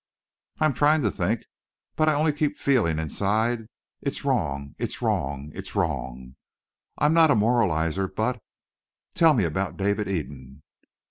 "I'm trying to think but I only keep feeling, inside, 'It's wrong! It's wrong! It's wrong!' I'm not a moralizer, but tell me about David Eden!"